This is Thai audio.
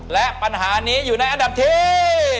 และปัญหานี้อยู่ในอันดับที่